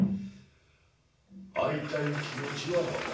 会いたい気持はわかる。